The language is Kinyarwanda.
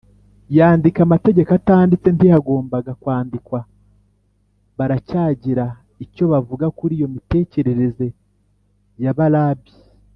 yandika Amategeko atanditse ntiyagombaga kwandikwa baracyagira icyo bavuga kuri iyo mitekerereze ya ba rabi